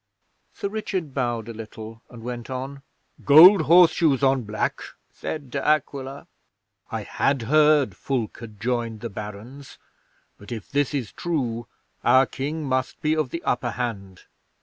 Sir Richard bowed a little and went on: '"Gold horseshoes on black?" said De Aquila. "I had heard Fulke had joined the Barons, but if this is true our King must be of the upper hand.